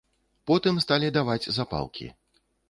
Потым сталі даваць запалкі.